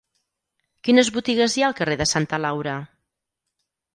Quines botigues hi ha al carrer de Santa Laura?